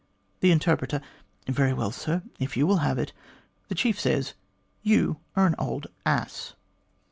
" The Interpreter: 'Very well, sir, if you will have it, the chief says you are an old ass.'"